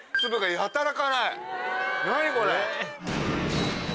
何これ！